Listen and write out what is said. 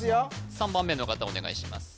３番目の方お願いします